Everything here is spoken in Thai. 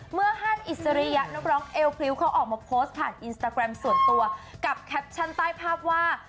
ฮันอิสริยะนักร้องเอลพริ้วเขาออกมาโพสต์ผ่านอินสตาแกรมส่วนตัวกับแคปชั่นใต้ภาพว่า